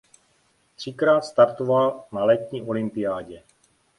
Třikrát startoval na letní olympiádě.